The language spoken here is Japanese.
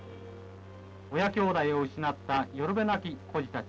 親兄弟を失った寄る辺なき孤児たち。